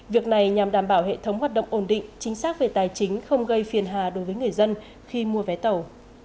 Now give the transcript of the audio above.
việc này nhằm đảm bảo hệ thống hoạt động ổn định chính xác về tài chính không gây phiền hà đối với người dân khi mua vé tàu